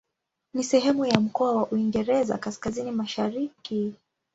Ni sehemu ya mkoa wa Uingereza Kaskazini-Mashariki.